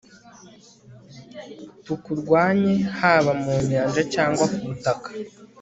tukurwanye haba mu nyanja cyangwa ku butaka